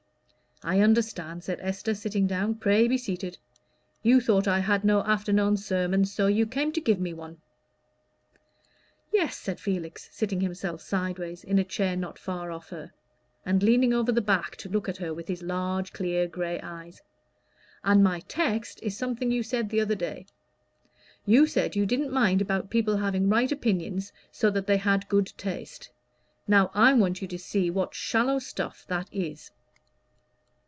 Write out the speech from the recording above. "I understand," said Esther, sitting down. "Pray be seated. You thought I had no afternoon sermon, so you came to give me one." "Yes," said Felix, seating himself sideways in a chair not far off her, and leaning over the back to look at her with his large, clear, gray eyes, "and my text is something you said the other day. You said you didn't mind about people having right opinions so that they had good taste. Now I want you to see what shallow stuff that is."